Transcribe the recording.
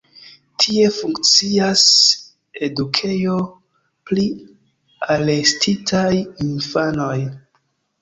Tie funkcias edukejo pri arestitaj infanoj.